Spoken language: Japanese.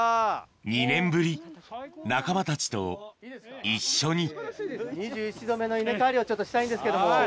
２年ぶり仲間たちと一緒に２１度目の稲刈りをしたいんですけども。